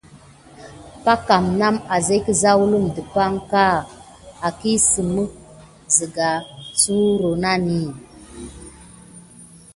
Packam naw asgassuwək pay pak aka wəne nasmaïska, pay pak nawbo nəɓoŋko.